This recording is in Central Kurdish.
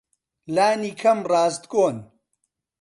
لانیکەم ڕاستگۆن.